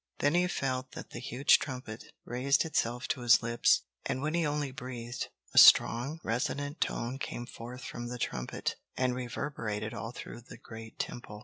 Then he felt that the huge trumpet raised itself to his lips. And when he only breathed, a strong, resonant tone came forth from the trumpet, and reverberated all through the great Temple.